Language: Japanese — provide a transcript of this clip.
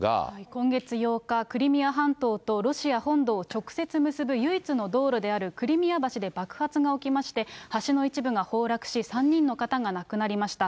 今月８日、クリミア半島とロシア本土を直接結ぶ唯一の道路であるクリミア橋で爆発が起きまして、橋の一部が崩落し、３人の方が亡くなりました。